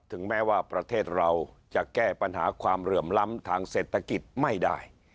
แม้ว่าประเทศเราจะแก้ปัญหาความเหลื่อมล้ำทางเศรษฐกิจไม่ได้